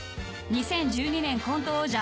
［２０１２年コント王者］